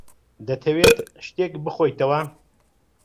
دەتەوێت شتێک بخۆیتەوە؟